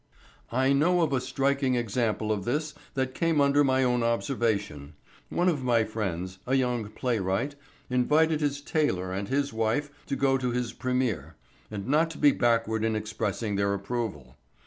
I know of a striking example of this that came under my own observation. One of my friends, a young playwright, invited his tailor and his wife to go to his première, and not to be backward in expressing their approval.